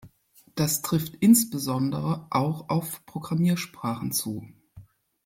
Das trifft insbesondere auch auf Programmiersprachen zu.